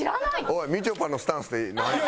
おいみちょぱのスタンスでなんや？